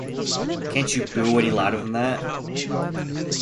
Can't you boo any louder than that?